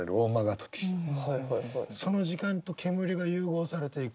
その時間と煙が融合されていく。